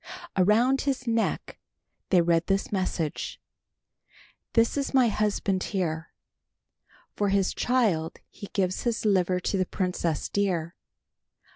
Around his neck they read this message, "This is my husband here. "For his child he gives his liver to the princess, dear.